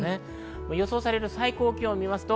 予想される最高気温です。